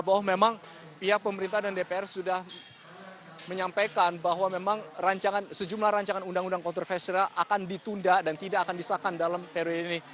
bahwa memang pihak pemerintah dan dpr sudah menyampaikan bahwa memang sejumlah rancangan undang undang kontroversial akan ditunda dan tidak akan disahkan dalam periode ini